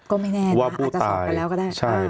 ก็ไม่แน่นะอาจจะสอบกันแล้วก็ได้